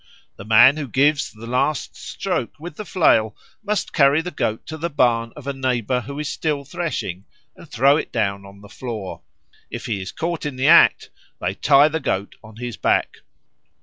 The man who gives the last stroke with the flail must carry the Goat to the barn of a neighbour who is still threshing and throw it down on the floor; if he is caught in the act, they tie the Goat on his back.